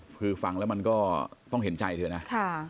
คือฟังแล้วมันก็ต้องเห็นใจเธอนะ